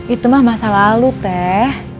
itu mah masa lalu teh